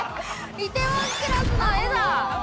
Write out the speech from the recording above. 『梨泰院クラス』の絵だ。